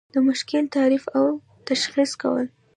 د مشکل تعریف او تشخیص کول.